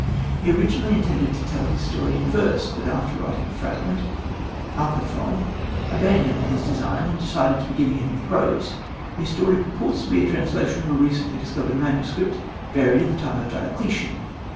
He originally intended to tell his story in verse, but after writing a fragment, Alciphron, abandoned this design and decided to begin again in prose. His story purports to be a translation of a recently discovered manuscript buried in the time of Diocletian.